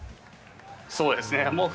そうですね。